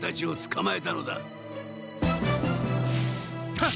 ハッ！？